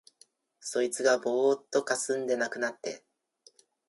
そいつがぼうっとかすんで無くなって、